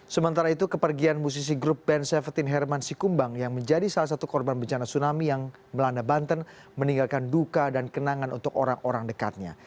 sementara itu kepergian musisi grup band tujuh belas herman sikumbang yang menjadi salah satu korban bencana tsunami yang melanda banten meninggalkan duka dan kenangan untuk orang orang dekatnya